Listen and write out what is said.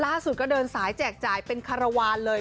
ก็เดินสายแจกจ่ายเป็นคารวาลเลย